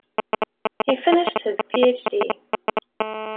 He finished his Ph.D.